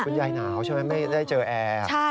คุณยายหนาวใช่ไหมไม่ได้เจอแอร์